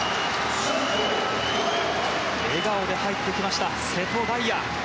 笑顔で入ってきました瀬戸大也。